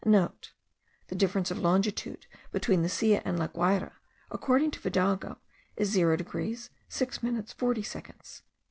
*(* The difference of longitude between the Silla and La Guayra, according to Fidalgo, is 0 degrees 6 minutes 40 seconds.)